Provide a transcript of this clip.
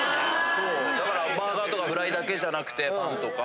そうだからバーガーとかフライだけじゃなくてパンとか。